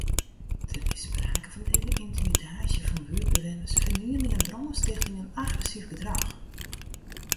Der is sprake fan yntimidaasje fan buertbewenners, fernielingen, brânstichting en agressyf gedrach.